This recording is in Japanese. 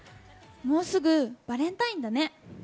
もうすぐバレンタインだね。